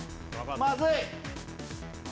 まずい！